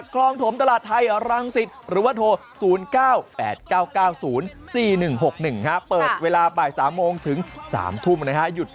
จิ้มธรรมดามจะเป็นเปรี้ยวกว่าผิดนะคะไม่มี